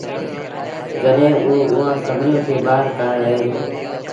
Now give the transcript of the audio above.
جڏهيݩٚ اوٚ اُئآݩٚ سڀنيٚوݩ کي ٻآهر ڪآهي وهي دو